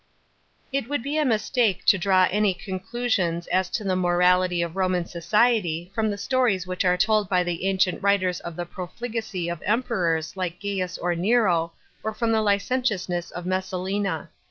§ 7. It would be a mistake to draw any conclusions as to the morality « f Roman society from the stories which are told by ancient writers of the profligacy of Emperors like Gains or Nero or from the licentiousness of Messalina.